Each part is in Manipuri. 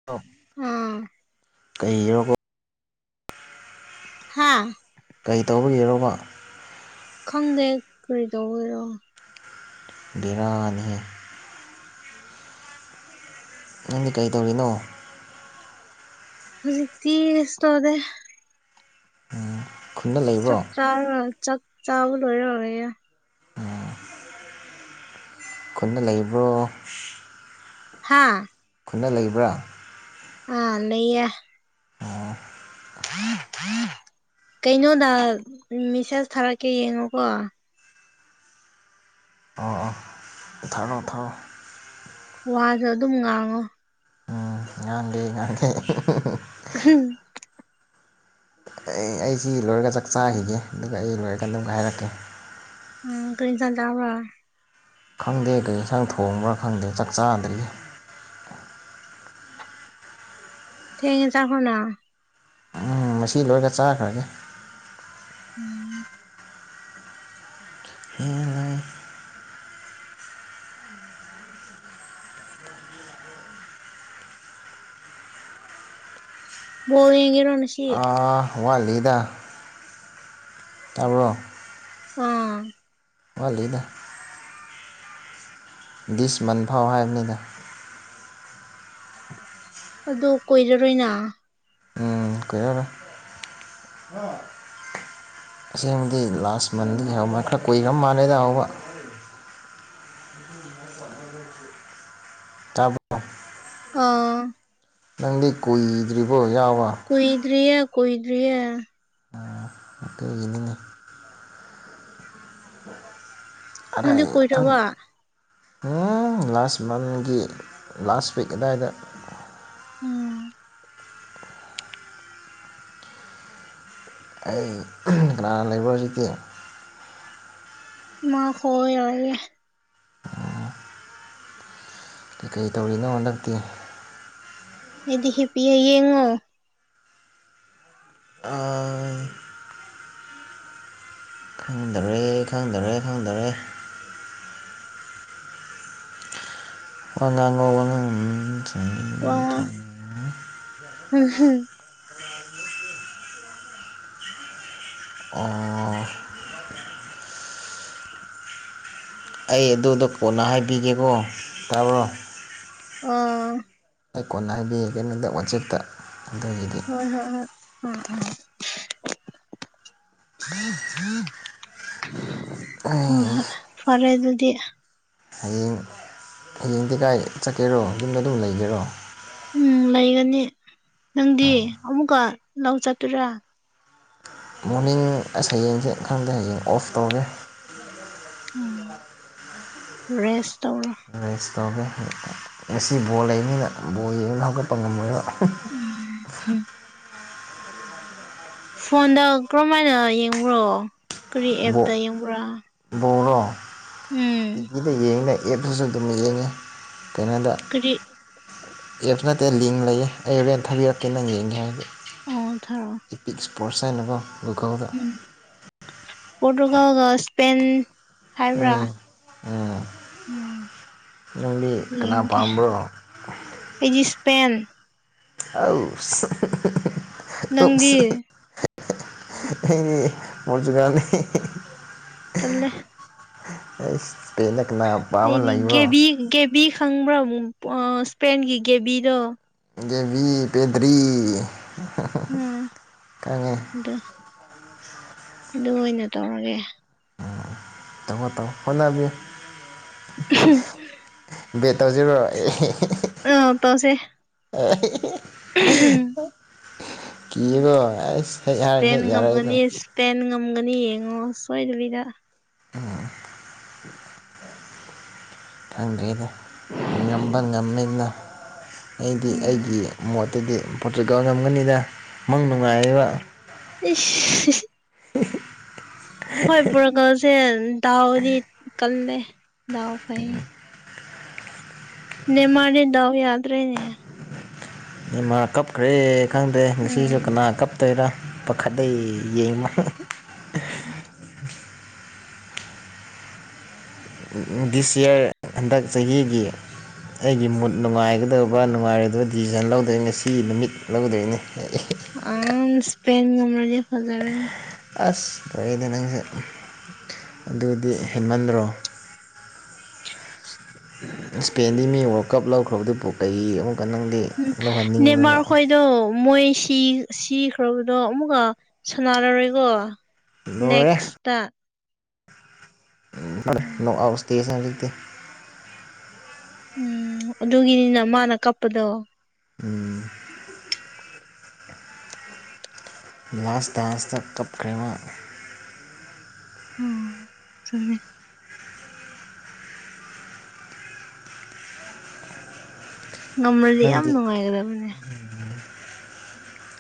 [unintelligible] ꯎꯝ ꯀꯤꯌꯣꯀꯣ ꯍꯥꯥ ꯀꯩꯗꯧꯕꯒꯤꯔꯣꯕ ꯈꯪꯗꯦ ꯀ꯭ꯔꯤ ꯇꯧꯕꯒꯤꯔꯣ ꯕꯦꯔꯥꯅꯤꯍꯦ ꯅꯪꯗꯤ ꯀꯩꯗꯧꯔꯤꯅꯣ ꯍꯨꯖꯤꯛꯇꯤ ꯀꯩꯁ ꯇꯧꯗꯦ ꯎꯝ ꯈꯨꯟꯗ ꯂꯩꯕ꯭ꯔꯣ ꯆꯥꯛ ꯆꯥꯛ ꯆꯥꯕ ꯑꯣꯏꯔꯔꯣꯏꯌꯦ [unintelligible] ꯈꯨꯟꯗ ꯂꯩꯕ꯭ꯔꯣ ꯍꯥꯥ ꯈꯨꯟꯗ ꯂꯩꯕ꯭ꯔꯥ ꯑꯥ ꯂꯩꯌꯦ ꯑꯣ ꯀꯩꯅꯣꯗ ꯃꯤꯁꯦꯁ ꯊꯥꯔꯛꯀꯦ ꯌꯦꯡꯉꯣꯀꯣ ꯑꯣ ꯑꯣ ꯊꯥꯔꯣ ꯊꯥꯔꯣ ꯋꯥꯖꯨ ꯑꯗꯨꯝ ꯉꯥꯡꯉꯣ ꯎꯝ ꯉꯥꯡꯒꯦ ꯉꯥꯡꯒꯦ [unintelligible] ꯑꯩ ꯑꯩꯁꯤ ꯂꯣꯏꯔꯒ ꯆꯥꯛ ꯆꯥꯈꯤꯒꯦ ꯑꯗꯨꯒ ꯑꯩ ꯂꯣꯏꯔ‌ ꯀꯥꯟꯗ ꯃꯨꯛꯀ ꯍꯥꯏꯔꯛꯀꯦ ꯎꯝ ꯀꯔꯤ ꯏꯟꯁꯥꯡ ꯆꯥꯕ꯭ꯔꯣ ꯈꯪꯗꯦ ꯀꯩ ꯏꯟꯁꯥꯡ ꯊꯣꯡꯕ꯭ꯔꯥ ꯈꯪꯗꯦ ꯆꯥꯛ ꯆꯥꯗ꯭ꯔꯤ ꯊꯦꯡꯉꯦ ꯆꯥꯊꯣꯅ ꯎꯝ ꯃꯁꯤ ꯂꯣꯏꯔꯒ ꯆꯥꯈ꯭ꯔꯒꯦ ꯎꯝ ꯕꯣꯜ ꯌꯦꯡꯉꯤꯔꯣ ꯅꯁꯤ ꯑꯥ ꯋꯥꯠꯂꯤꯗ ꯇꯥꯕ꯭ꯔꯣ ꯑꯥ ꯋꯥꯠꯂꯤꯗ ꯗꯤꯁ ꯃꯟ ꯐꯥꯎ ꯍꯥꯏꯕꯅꯤꯗ ꯑꯗꯣ ꯀꯨꯏꯔꯔꯣꯏꯅ ꯎꯝ ꯀꯨꯏꯔꯔꯣꯏ [unintelligible] ꯑꯁꯦꯡꯕꯗꯤ ꯂꯥꯁ ꯃꯟꯗꯒꯤ ꯍꯧꯕ ꯈꯔ ꯀꯨꯏꯔ ꯃꯥꯜꯂꯦꯗ ꯍꯧꯕ ꯇꯥꯕ꯭ꯔꯣ ꯑꫭ ꯅꯪꯗꯤ ꯀꯨꯏꯗ꯭ꯔꯤꯕꯣ ꯌꯥꯎꯕ ꯀꯨꯏꯗ꯭ꯔꯤꯌꯦ ꯀꯨꯏꯗ꯭ꯔꯤꯌꯦ ꯑꯗꯨꯒꯤꯅꯤꯅꯦ ꯅꯪꯗꯤ ꯑꯔꯩ ꯀꯨꯏꯔꯕꯣ ꯈꯪ ꯎꯝ ꯂꯥꯁ ꯃꯟꯒꯤ ꯂꯥꯁ ꯋꯤꯛ ꯑꯗꯥꯏꯗ ꯎꯝ ꯑꯩ ꯀꯅꯥꯒ ꯂꯩꯕꯔꫭ ꯍꯧꯖꯤꯛꯇꯤ ꯏꯃꯥ ꯍꯣꯏ ꯂꯩꯌꯦ ꯀꯩꯀꯩ ꯇꯧꯔꯤꯅꯣ ꯍꯟꯗꯛꯇꯤ ꯑꯩꯗꯤ ꯍꯤꯞꯄꯤꯌꯦ ꯌꯦꯡꯉꯣ ꯑꯥ ꯈꯪꯗꯔꯦ ꯑꯦ ꯈꯪꯗꯔꯦ ꯈꯪꯗꯔꯦ ꯋꯥ ꯉꯥꯡꯉꯣ ꯋꯥ ‌ꯉꯥꯡ ꯋꯥ [unintelligible] ꯑꯣ ꯑꯩ ꯑꯗꯨꯗꯣ ꯀꯣꯟꯅ ꯍꯥꯏꯕꯤꯒꯦꯀꯣ ꯇꯥꯕ꯭ꯔꯣ ꯑꯥ ꯑꯩ ꯀꯣꯟꯅ ꯍꯥꯏꯗꯤ ꯀꯩꯅꯣꯗ ꯋꯥꯆꯦꯞꯇ ꯑꯗꯨꯒꯤꯗꯤ ꯍꯣꯏ ꯍꯣꯏ ꯍꯣꯏ ꯎꯝ‌ꯎꯝ [unintelligible] ꯍꯣꯏ ꯑꯩ ꯍꯣꯏ ꯐꯔꯦ ꯑꯗꯨꯗꯤ ꯍꯌꯦꯡ ꯍꯌꯦꯡꯗꯤ ꯀꯥꯏ ꯆꯠꯀꯦꯔꯣ ꯌꯨꯝꯗ ꯑꯗꯨꯝ ꯂꯩꯒꯦꯔꯣ ꯎꯝ ꯂꯩꯒꯅꯤ ꯅꯪꯗꯤ ꯑꯃꯨꯛꯀ ꯂꯧ ꯆꯠꯇꯣꯏꯔꯥ ꯃꯣꯔꯅꯤꯡ ꯑꯁ ꯍꯌꯦꯡꯁꯦ ꯈꯪꯗꯦ ꯍꯌꯦꯡ ꯑꯣꯐ ꯇꯧꯔꯒꯦ ꯎꯝ ꯔꯦꯁ ꯇꯧꯔꫭ ꯔꯦꯁ ꯇꯧꯒꯦ ꯉꯁꯤ ꯕꯣꯜ ꯂꯩꯕꯅꯤꯅ ꯕꯣꯜ ꯌꯦꯡꯉꯒ ꯍꯧꯒꯠꯄ ꯉꯝꯃꯣꯏꯕ ꯎꯝ ꯐꯣꯟꯗ ꯀꯔꯝꯃꯥꯏꯅ ꯌꯦꯡꯕ꯭ꯔꯣ ꯀꯔꯤ ꯑꯦꯞꯇ ꯌꯦꯡꯕ꯭ꯔꯥ ꯕꯣꯜꯂꯣ ꯎꯝ ꯇꯤꯚꯤꯗ ꯌꯦꯡꯉꯦ ꯑꯦꯞꯇꯁꯨ ꯑꯗꯨꯝ ꯌꯦꯡꯉꯦ ꯀꯩꯅꯣꯗ ꯀꯔꯤ ꯑꯦꯞꯁ ꯅꯠꯇꯦ ꯂꯤꯡ ꯂꯩꯌꯦ ꯑꯩ ꯍꯣꯔꯦꯟ ꯊꯥꯕꯤꯔꯛꯀꯦ ꯅꯪ ꯌꯦꯡꯒꯦ ꯍꯥꯏꯔꯗꯤ ꯑꯣ ꯊꯥꯔꯛꯑꯣ ꯏꯄꯤꯛ ꯏꯁꯄꯣꯔꯁ ꯍꯥꯏꯅꯀꯣ ꯒꯨꯒꯜꯗ ꯎꯝ ꯄꯣꯔꯇꯨꯒꯜꯒ ꯏꯁꯄꯦꯟ ꯍꯥꯏꯕ꯭ꯔꯥ ꯎꯝ ꯎꯝ ꯅꯪꯗꯤ ꯀꯅꯥ ꯌꯦꯡꯒꯦ ꯄꯥꯝꯕ꯭ꯔꯣ ꯑꯩꯗꯤ ꯏꯁꯄꯦꯟ ꯑꯧꯁ ꯅꯪꯗꯤ ꯑꯩ ꯃꯣꯖꯨꯂꯥꯅꯤ ꯇꯜꯂꯦ ꯑꯩꯁ ꯄꯦꯟꯗ ꯀꯅꯥ ꯄꯥꯝꯃ ꯑꯩꯗꯤ ꯂꯩꯕ꯭ꯔꯣ ꯒꯦꯕꯤ ꯒꯦꯕꯤ ꯈꯪꯕ꯭ꯔꯥ ꯑ ꯁꯄꯦꯟꯒꯤ ꯒꯦꯕꯤꯗꯣ꯫ ꯒꯦꯕꯤ ꯄꯦꯗ꯭ꯔꯤ ꯎꯝ ꯈꯪꯉꯦ ꯫ ꯗꯨ ꯑꯣꯏꯅ ꯇꯧꯔꯒꯦ꯫ ꯍꯣ ꯇꯧ ꯍꯣꯠꯅꯕꯤꯌ ꯎꯝ ꯕꯦꯠꯇꯜ ꯁꯤꯔꯣ ꯑꯦ ꯑꯥ ꯇꯧꯁꯦ ꯑꯦ ꯎꯝ ꯀꯤꯒꯣ ꯑꯩꯁ ꯍꯦꯛ ꯍꯥꯏꯔꯒꯦ ꯍꯦꯛ ꯌꯥꯔꯛꯏꯗꯣ꯫ ꯇꯦꯟ ꯉꯝꯒꯅꯤ ꯌꯦꯡꯉꯣ ꯁꯣꯏꯗꯕꯤꯗ꯫ ꯈꯪꯗ꯭ꯔꯦꯗ ꯉꯝꯕ ꯉꯝꯃꯦꯗꯅ ꯑꯩꯗꯤ ꯎꯝ ꯑꯩꯒꯤ ꯃꯣꯠ ꯇꯗꯤ ꯄꯣꯔꯇꯨꯒꯜ ꯉꯝꯒꯅꯤꯗ ꯃꯪ ꯅꯨꯡꯉꯥꯏꯌꯦꯕ꯫ ꯏꯁ ꯁꯤ ꯁꯤ ꯫ ꯍꯣꯏ ꯄꯣꯔꯒꯜꯁꯦ ꯗꯥꯎꯗꯤ ꯀꯜꯂꯦ ꯗꯥꯎ ꯐꯩꯌꯦ ꯫ ꯅꯦꯃꯥꯔꯗꯤ ꯗꯥꯎ ꯌꯥꯗ꯭ꯔꯦꯅꯦ꯫ ꯅꯦꯃꯥꯔ ꯀꯞꯈ꯭ꯔꯦ ꯈꯪꯗꯦ ꯎꯝ ꯉꯁꯤꯁꯨ ꯀꯅꯥ ꯀꯞꯇꯣꯏꯔꯥ ꯄꯥꯈꯠꯂꯦ꯫ ꯌꯦꯡꯃ [inaudible] ꯗꯤꯁ ꯏꯌꯥꯔ ꯍꯟꯗꯛ ꯆꯍꯤꯒꯤ ꯑꯩꯒꯤ ꯃꯨꯠ ꯅꯨꯡꯉꯥꯏꯒꯗꯕ ꯅꯨꯡꯉꯥꯏꯔꯣꯏꯗꯕ ꯗꯤꯖꯤꯖꯟ ꯂꯧꯗꯣꯏꯅꯤ ꯉꯁꯤ ꯅꯨꯃꯤꯠ ꯂꯧꯗꯣꯏꯅꯤ꯫ ꯑꯡ ꯁꯄꯦꯟ ꯉꯝꯔꯗꯤ ꯐꯖꯔꯅꯤ꯫ ꯑꯁ ꯐꯔꯦꯅꯦ ꯅꯪꯁꯤ ꯑꯗꯨꯗꯤ ꯍꯦꯟꯃꯟꯗ꯭ꯔꯣ꯫ [inaudible] ꯁꯄꯦꯟꯗꯤ ꯃꯤ ꯋꯥꯔꯜ ꯀꯞ ꯂꯧꯈ꯭ꯔꯕꯗꯨꯕꯨ ꯀꯩ ꯑꯃꯨꯛꯀ ꯅꯪꯗꯤ꯫ ꯍꯨꯝ ꯂꯧꯍꯟꯅꯤꯡꯕ꯭ꯔꯕ ꯅꯦꯃꯥꯔ ꯈꯣꯏꯗꯣ ꯃꯣꯏꯁ ꯏ ꯁꯤꯈ꯭ꯔꯕꯗꯣ ꯑꯃꯨꯛꯀ ꯁꯟꯅꯔꯔꯣꯏꯒꯣ ꯂꯣꯏꯔꯦ ꯅꯦꯛꯁꯇ꯫ ꯅꯣꯛ ꯎꯝ ꯑꯥꯎꯠ ꯁꯇꯦꯁ [unintelligible] ꯎꯝ ꯑꯗꯨꯒꯤꯅꯤꯅ ꯃꯥꯅ ꯀꯞꯄꯗꯣ꯫ ꯎꯝ ꯂꯥꯁ ꯗꯥꯟꯁ ꯇ ꯀꯞꯈ꯭ꯔꯦ‌ ꯃꯥ꯫ ꯎꯝ ꯆꯨꯝꯃꯦ꯫ ꯉꯝꯔꯗꯤ ꯌꯥꯝ ꯅꯪꯗꯤ ꯅꯨꯡꯉꯥꯏꯒꯗꯕꯅꯦ꯫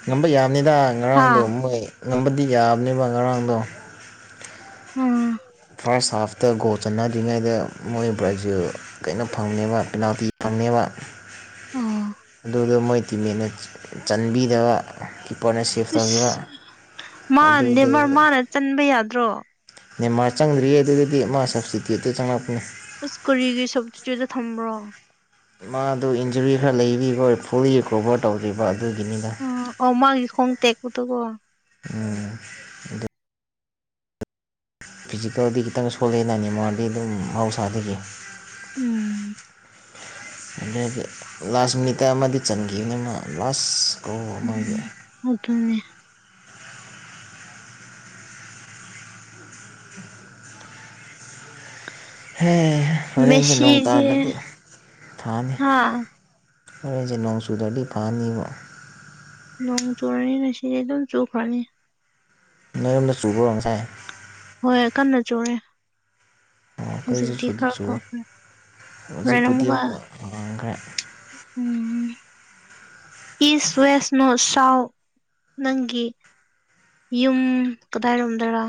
ꯉꯝꯕ ꯌꯥꯕꯅꯤꯗ ꯍꯥ ꯉꯔꯥꯡꯗꯣ ꯃꯣꯏ ꯉꯝꯕꯗꯤ ꯌꯥꯕꯅꯦꯕ ꯉꯔꯥꯡꯗꯣ꯫ ꯎꯝ ꯐꯔꯁ ꯍꯥꯜꯐꯇ ꯒꯣꯜ ꯆꯟꯅꯗ꯭ꯔꯤꯉꯩꯗ ꯃꯣꯏ ꯕꯔ꯭ꯖꯤꯜ ꯀꯩꯅꯣ ꯐꯪꯉꯦꯕ ꯄꯤꯅꯥꯜꯇꯤ ꯐꯪꯉꯦꯕ ꯑꯣ ꯑꯗꯨꯗꯣ ꯃꯣꯏ ꯇꯤꯝꯃꯦꯠꯅ‌ ꯆꯟꯕꯤꯗꯕ ꯀꯤꯞꯄꯔꯅ ꯁꯦꯐ ꯇꯧꯒꯤꯕ ꯏꯁ ꯃꯥ ꯑꯗꯨꯗꯤ ꯅꯦꯃꯥꯔ ꯃꯥꯅ ꯆꯟꯕ ꯌꯥꯗ꯭ꯔꯣ꯫ ꯅꯦꯃꯥꯔ ꯆꯪꯗ꯭ꯔꯤꯌꯦ ꯑꯗꯨꯗꯗꯤ ꯃꯥ ꯁꯞꯁꯇꯤꯇ꯭ꯌꯨꯠꯇ ꯆꯪꯂꯛꯄꯅꯦ꯫ ꯑꯁ ꯀꯔꯤꯒꯤ ꯁꯞꯇꯤꯇ꯭ꯨꯌꯠꯇ ꯊꯝꯕ꯭ꯔꯣ꯫ ꯃꯥꯗꯨ ꯏꯟꯖꯨꯔꯤ ꯈꯔ ꯂꯩꯕꯤꯕ ꯐꯨꯜꯂꯤ ꯔꯤꯀꯣꯚꯔ ꯇꯧꯗꯔ꯭ꯤꯕ ꯑꯗꯨꯒꯤꯅꯤꯗ ꯫ ꯑ ꯑꯣ ꯃꯥꯒꯤ ꯈꯣꯡ ꯇꯦꯛꯄꯥꯗꯣ ꯀꯣ ꯎꯝ ꯐꯤꯖꯤꯀꯦꯜꯗꯤ ꯈꯤꯇꯪ ꯁꯣꯜꯂꯦꯗꯅꯤ ꯃꯗꯤ ꯑꯗꯨꯝ ꯃꯍꯧꯁꯥꯗꯒꯤ ꯎꯝ ꯑꯗꯒꯤ ꯂꯥꯁ ꯃꯤꯅꯤꯠꯇ ꯑꯃꯗꯤ ꯆꯥꯟꯒꯤꯕꯅꯤ ꯃꯥ ꯂꯥꯁ ꯒꯣꯜ ꯎꯝ ꯑꯃꯒꯤ ꯑꯗꯨꯅꯤ ꯍꯦ ꯍ ꯍꯣꯔꯦꯟꯖꯦ ꯅꯣꯡ ꯃꯦꯁꯤꯁꯦ ꯇꯗ꯭ꯔꯥꯗꯤ ꯐꯅꯤ ꯍꯥ ꯍꯣꯔꯦꯟꯖꯦ ꯅꯣꯡꯆꯨꯗ꯭ꯔꯗꯤ ꯐꯥꯅꯤꯕꯣ ꯅꯣꯡ ꯆꯨꯔꯅꯤ ꯉꯁꯤꯗꯤ ꯑꯗꯨꯝ ꯆꯨꯈ꯭ꯔꯅꯤ ꯅꯣꯏ ꯌꯨꯝꯗ ꯆꯨꯕ꯭ꯔꯣ ꯉꯁꯥꯏ ꯍꯣꯏ ꯀꯟꯅ ꯆꯨꯔꯦ ꯑꯣ ꯑꯩꯈꯣꯏꯁꯨ ꯍꯧꯖꯤꯛꯇꯤ ꯆꯨꯗꯤ ꯈꯔ ꯆꯨꯋꯦ ꯐꯈꯔꯦ ꯍꯣꯔꯦ ꯍꯧꯖꯤꯛꯄꯨꯗꯤ ꯑꯃꯨꯛꯀ ꯍꯥꯡꯈ꯭ꯔꯦ ꯎꯝ ꯏꯁ ꯋꯦꯁ ꯅꯣꯠ ꯁꯎꯥꯋꯨꯠ ꯅꯪꯒꯤ ꯌꯨꯝ ꯀꯗꯥꯏꯔꯣꯝꯗꯔꯥ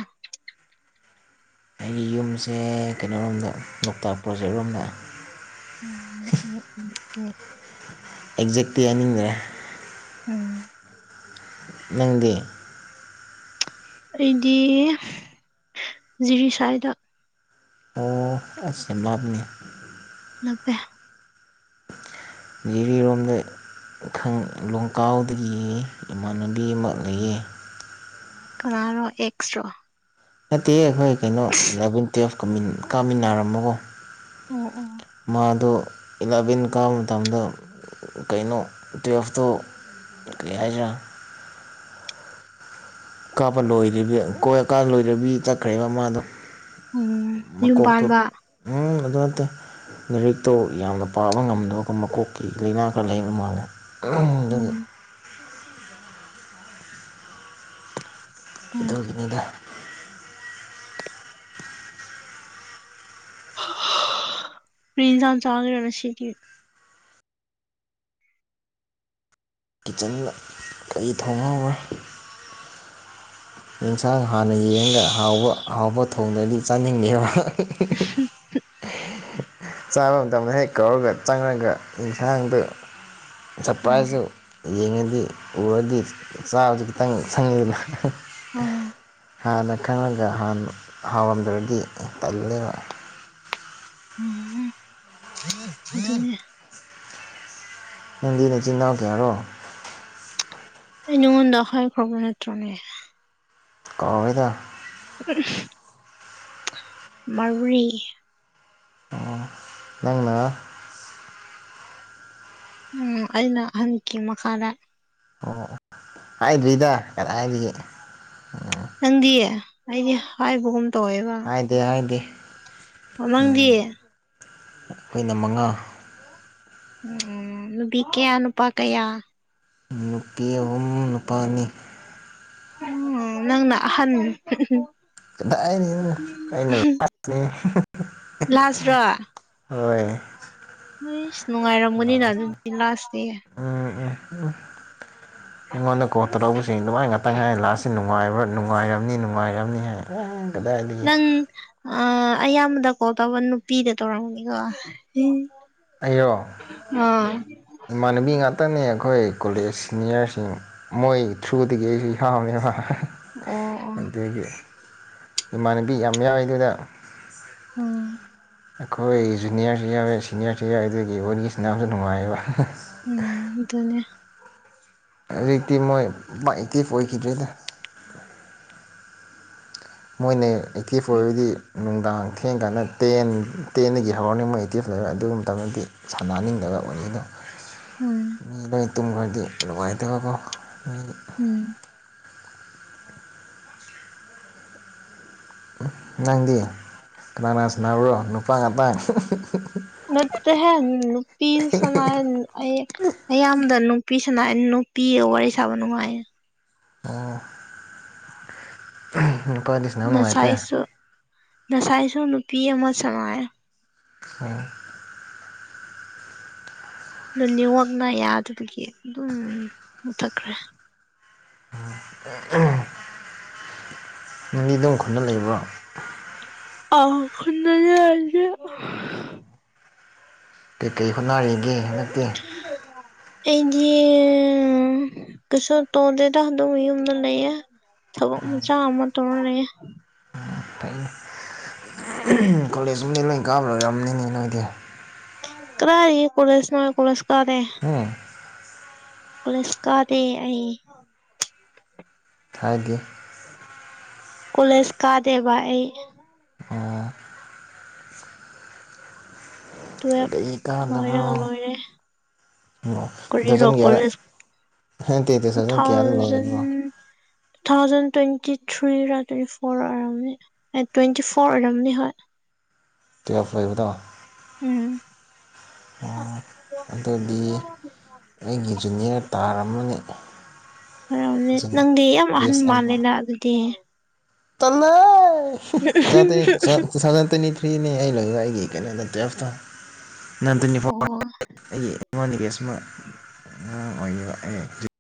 ꯑꯩꯒꯤ ꯌꯨꯝꯁꯦ ꯀꯩꯅꯣꯔꯣꯝꯗ ꯂꯣꯛꯇꯥꯛ ꯄ꯭ꯔꯣꯖꯦꯛꯔꯣꯝꯗ ꯎꯝ ꯎꯝ ꯎꯝ ꯎꯝ ꯑꯦꯛꯖꯦꯛꯇꯤ ꯍꯥꯏꯅꯤꯡꯗ꯭ꯔꯦ ꯎꯝ ꯅꯪꯗꯤ ꯑꯩꯗꯤ ꯖꯤꯔꯤꯁꯥꯏꯗ ꯑꯣ ꯑꯁ ꯌꯝ ꯂꯞꯄꯤꯅꯦ ꯂꯞꯄꯦ ꯖꯤꯔꯤꯔꯣꯝꯗ ꯈꯪ ꯂꯣꯡꯀꯥꯎꯗꯒꯤ ꯏꯃꯥꯟꯅꯕꯤ ꯑꯃ ꯂꯩꯌꯦ ꯀꯔꯣ ꯑꯦꯛꯁꯔꯣ ꯅꯠꯇꯦ ꯑꯈꯣꯏ ꯀꯩꯅꯣ ꯏꯂꯚꯦꯟ ꯇꯨꯌꯦꯜꯞ ꯀꯃꯤꯟ ꯀꯥꯃꯤꯟꯅꯔꯝꯕꯒꯣ ꯑꯣ ꯑꯣ ꯃꯥꯗꯣ ꯏꯂꯚꯦꯟ ꯀꯥꯕ ꯃꯇꯝꯗ ꯀꯩꯅꯣ ꯇꯨꯋꯦꯜꯐꯇꯣ ꯀꯩ ꯍꯥꯏꯁꯤꯔꯥ ꯀꯕ ꯂꯣꯏꯗꯕꯤ ꯀꯣꯏ ꯀꯥꯕ ꯂꯣꯏꯗꯕꯤ ꯆꯠꯈ꯭ꯔꯦꯕ ꯃꯥꯗꯣ ꯎꯝ ꯌꯨꯝ ꯃꯀꯣꯛꯇꯣ ꯄꯥꯟꯕ ꯎꯝ ꯑꯗꯨ ꯅꯠꯇꯦ ꯂꯥꯏꯔꯤꯛꯇꯣ ꯌꯥꯝꯅ ꯄꯥꯕ ꯉꯝꯗꯕꯀꯣ ꯃꯀꯣꯛꯀꯤ ꯂꯩꯅꯥ ꯈꯔ ꯂꯩꯥꯕ ꯃꯥꯜꯂꯦ ꯎꯝ ꯗꯨꯒꯤ ꯎꯝ ꯑꯗꯨꯒꯤꯅꯤꯗ ꯀꯔꯤ ꯑꯦꯟꯖꯥꯡ ꯆꯥꯒꯦꯔꯥ ꯉꯥꯁꯤꯗꯤ ꯀꯤꯆꯟꯗ ꯀꯔꯤ ꯊꯣꯡꯍꯧꯕ꯭ꯔ ꯏꯟꯁꯥꯡ ꯍꯥꯟꯅ ꯌꯦꯡꯉꯒ ꯍꯥꯎꯕ ꯍꯥꯎꯕ ꯊꯣꯡꯗꯗꯤ ꯆꯥꯅꯤꯡꯗꯦꯕ [unintelligible] ꯆꯥꯕ ꯃꯇꯝꯗ ꯍꯦꯛ ꯀꯧꯔꯒ ꯆꯪꯉꯒ ꯏꯟꯁꯥꯡꯗꯨ ꯎꯝ ꯁꯔꯄ꯭ꯔꯥꯏꯖꯁꯨ ꯌꯦꯡꯉꯗꯤ ꯎꯔꯗꯤ ꯆꯥꯕꯁꯨ ꯈꯤꯇꯪ ꯁꯪꯉꯤꯗꯅ ꯎꯝ ꯍꯥꯟꯅ ꯈꯪꯂꯥꯒ ꯍꯥꯟꯅ ꯍꯥꯎꯔꯝꯗ꯭ꯔꯗꯤ ꯇꯜꯂꯦꯕ ꯎꯝ ꯑꯗꯨꯅꯦ ꯅꯪꯗꯤ ꯅꯆꯤꯟ ꯅꯅꯥꯎ ꯀꯌꯥꯔꯣ ꯑꯩꯅꯪꯉꯣꯟꯗ ꯍꯥꯏꯈ꯭ꯔꯕ ꯅꯠꯇ꯭ꯔꯣꯅꯦ ꯀꯥꯎꯋꯦꯗ ꯃꯔꯤ ꯑꯣ ꯅꯪꯅ ꯎꯝ ꯑꯩꯅ ꯑꯍꯟꯀꯤ ꯃꯈꯥꯗ ꯑꯣ ꯍꯥꯏꯗ꯭ꯔꯤꯗ ꯀꯗꯥꯏꯗꯒꯤ ꯅꯪꯗꯤ ꯑꯩꯗꯤ ꯍꯥꯏꯕꯒꯨꯝ ꯇꯧꯋꯦꯕ ꯍꯥꯏꯗꯦ ꯍꯥꯏꯗꯦ ꯅꯪꯗꯤ ꯎꯝ ꯑꯩꯈꯣꯏꯅ ꯃꯉꯥ ꯎꯝ ꯅꯨꯄꯤ ꯀꯌꯥ ꯅꯨꯄꯥ ꯀꯌꯥ ꯅꯨꯄꯤ ꯑꯍꯨꯝ ꯅꯨꯄꯥ ꯑꯅꯤ ꯎꯝ ꯅꯪꯅ ꯑꯍꯟ ꯀꯗꯥꯏꯗꯩꯅꯣ ꯑꯩꯅ ꯅꯠꯇꯦꯍꯦ ꯂꯥꯁ ꯔꯥ ꯍꯨꯏꯁ ꯅꯨꯡꯉꯥꯏꯔꯝꯒꯅꯤꯅ ꯑꯗꯨꯗꯤ ꯂꯥꯁꯇꯤ ꯑꯥꯑꯦ ꯎꯝ ꯏꯃꯥꯅ ꯀꯣꯜ ꯇꯧꯔꯛꯕꯁꯤꯡ ꯑꯗꯨꯃꯥꯏ ꯉꯥꯛꯇꯪ ꯍꯥꯏ ꯂꯥꯁ ꯁꯤꯟ ꯅꯨꯡ__ ꯅꯨꯡꯉꯥꯏꯕ꯭ꯔꯥ ꯅꯨꯡꯉꯥꯏꯔꯝꯅꯤ ꯅꯨꯡꯉꯥꯏꯔꯝꯅꯤ ꯍꯥꯏ ꯎꯝ ꯀꯗꯥꯏꯗꯒꯤ ꯅꯪ ꯑꯥ ꯑꯌꯥꯝꯕꯗ ꯀꯣꯜ ꯇꯧꯕ ꯅꯨꯄꯤꯗ ꯇꯧꯔꯝꯅꯤꯀꯣ ꯑꯩꯔꯣ ꯏꯃꯥꯟꯅꯕꯤ ꯉꯥꯛꯇꯅꯦ ꯑꯩꯈꯣꯏ ꯀꯣꯂꯦꯖ ꯁꯤꯅꯤꯌꯥꯔꯁꯤꯡ ꯃꯣꯏ ꯊ꯭ꯔꯨꯗꯒꯤ ꯑꯩꯖꯨ ꯌꯥꯎꯌꯦꯕ ꯑꯣ ꯑꯗꯨꯒꯤ ꯏꯃꯥꯟꯅꯕꯤ ꯌꯥꯝ ꯌꯥꯎꯋꯤ ꯑꯗꯨꯗ ꯎꯝ ꯑꯩꯈꯣꯏ ꯖꯨꯅꯤꯌꯔꯁꯨ ꯌꯥꯎꯋꯦ ꯁꯤꯅꯤꯌꯔꯁꯨ ꯌꯥꯎꯋꯦ ꯑꯗꯨꯒꯤ ꯋꯥꯔꯤ ꯁꯥꯟꯅꯕꯁꯨ ꯅꯨꯡꯉꯥꯏꯌꯦꯕ ꯎꯝ ꯑꯗꯨꯅꯦ ꯍꯧꯖꯤꯛꯇꯤ ꯃꯣꯏ ꯄꯥꯛ ꯑꯦꯛꯇꯤꯞ ꯑꯣꯏꯈꯤꯗ꯭ꯔꯦꯗ ꯃꯣꯏꯅ ꯑꯦꯇꯤꯞ ꯑꯣꯏꯕꯗꯤ ꯅꯨꯡꯗꯥꯡ ꯊꯦꯡ ꯀꯥꯟꯗ ꯇꯦꯟ ꯇꯦꯟꯗꯒꯤ ꯍꯧꯔꯅꯤꯡꯕ ꯃꯣꯏ ꯑꯩꯇꯤꯐ ꯂꯩꯕ ꯑꯗꯨ ꯃꯇꯝꯗꯗꯤ ꯁꯥꯟꯅꯅꯤꯡꯗꯕ ꯋꯥꯔꯤꯅ ꯎꯝ ꯃꯤ ꯂꯣꯏ ꯇꯨꯝꯒ꯭ꯔꯗꯤ ꯅꯨꯡꯉꯥꯏꯇꯕꯀꯣ ꯃꯤ ꯎꯝ ꯅꯪꯗꯤ ꯀꯅꯥꯅꯥ ꯁꯅꯥꯕ꯭ꯔꯣ ꯅꯨꯄꯥ ꯉꯥꯛꯇꯥ ꯅꯠꯇꯦ ꯍꯦ ꯅꯨꯄꯤ ꯁꯥꯟꯅꯩ ꯑꯩ ꯑꯌꯥꯝꯕꯗ ꯅꯨꯄꯤꯁꯥꯅ ꯅꯨꯄꯤꯒ ꯋꯥꯔꯤ ꯁꯥꯕ ꯅꯨꯡꯉꯥꯏꯌꯦ ꯎꯝ ꯅꯨꯄꯥꯗꯤꯁ ꯅꯁꯥꯏꯁꯨ ꯅꯁꯥꯏꯁꯨ ꯅꯨꯄꯤ ꯑꯃ ꯁꯥꯟꯅꯥꯌꯦ ꯑꯣ ꯑꯗꯨ ꯅꯤꯋꯥꯛꯅ ꯌꯥꯗꯕꯒꯤ ꯑꯗꯨꯝ ꯃꯨꯠꯊꯈ꯭ꯔꯦ ꯅꯪꯗꯤ ꯑꯗꯨꯝ ꯈꯨꯟꯗ ꯂꯩꯕ꯭ꯔꯣ ꯑꯧ ꯈꯨꯟꯗ ꯂꯩꯌꯦ ꯀꯩꯀꯩ ꯍꯣꯠꯅꯔꯤꯒꯦ ꯍꯟꯗꯛꯇꯤ ꯀꯤꯖꯩꯅꯥ ꯑꯩꯗꯤ ꯀꯁꯨ ꯇꯣꯗꯦꯗ ꯑꯗꯨꯝ ꯌꯨꯝꯗ ꯂꯩꯌꯦ ꯊꯕꯛ ꯃꯆꯥ ꯑꯃ ꯇꯧꯔ ꯂꯩꯌꯦ ꯎꯝ ꯐꯩꯅꯦ ꯀꯣꯂꯦꯖ ꯑꯨꯝꯗꯤ ꯂꯣꯏ ꯀꯥꯕ ꯂꯣꯏꯔꯝꯅꯤꯅꯦ ꯅꯣꯏꯗꯤ ꯀꯔꯥꯏꯔꯒꯤ ꯀꯣꯂꯦꯁꯅꯣ ꯀꯣꯂꯦꯁ ꯀꯥꯗꯦ ꯎꯝ ꯀꯣꯂꯦꯁ ꯀꯥꯗꯦ ꯑꯩ ꯊꯥꯒꯦ ꯀꯣꯂꯦꯖ ꯀꯥꯗꯦꯕ ꯑꯩ ꯑꯣ ꯇꯨꯋꯦꯞ ꯑꯗꯒꯤ ꯂꯣꯏꯔꯒ ꯀꯥꯗꯕ꯭ꯔꯣ ꯂꯣꯏꯔꯦ ꯎꯝ ꯇꯨ ꯀꯔꯤꯔꯣ ꯊꯥꯎꯖꯟ ꯀꯌꯥꯗ ꯀꯣꯂꯦꯁ ꯅꯠꯇꯦ ꯇꯨ ꯀꯌꯥꯗ ꯊꯥꯎꯖꯟ ꯂꯣꯏꯕ꯭ꯔꯣ ꯇꯨ ꯊꯥꯎꯖꯟ ꯇ꯭ꯋꯦꯟꯇꯤ ꯊ꯭ꯔꯤ ꯔꯥ ꯇ꯭ꯋꯦꯟꯇꯤ ꯐꯣꯔꯔꯥ ꯑꯣꯏꯔꯝꯒꯅꯤ ꯑꯦ ꯇ꯭ꯋꯦꯟꯇꯤ ꯐꯣꯔ ꯑꯣꯏꯔꯝꯅꯤ ꯍꯣꯏ ꯇꯨꯌꯦꯐ ꯑꯣꯏꯕꯗꯣ ꯎꯝ ꯑꯣ ꯑꯗꯨꯗꯤ ꯑꯩꯒꯤ ꯖꯨꯅꯤꯌꯔ ꯇꯥꯔꯝꯃꯅꯤ ꯑꯣꯏꯔꯝꯅꯤ ꯖꯨꯟ ꯅꯪꯗꯤ ꯌꯥꯝ ꯑꯍꯟ ꯕꯦꯁ ꯑꯃ ꯃꯥꯜꯂꯦꯅ ꯑꯗꯨꯗꯤ ꯇꯜꯂꯦ [unintelligible] ꯐ꯭ꯔꯤꯅꯦ ꯑꯩ ꯂꯩ ꯑꯩꯒꯤ ꯀꯩꯅꯣꯗ ꯇꯨꯌꯦꯜꯐꯇꯣ ꯅꯟ ꯇ꯭ꯋꯦꯟꯇꯤ ꯐꯣꯔ ꯑꯣ [unintelligible] ꯑꯩꯒꯤ ꯑꯩꯉꯣꯟꯗꯒꯤ [unintelligible]